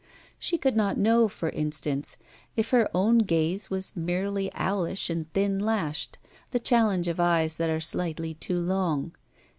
She could not know, for instance, if her own gaze was merely owlish and thin lashed, the challenge of eyes that are slightly too long.